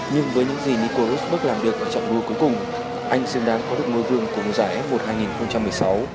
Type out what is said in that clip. nhưng với những gì mikort bước làm được ở trạng đua cuối cùng anh xứng đáng có được ngôi vương của bóng giải f một hai nghìn một mươi sáu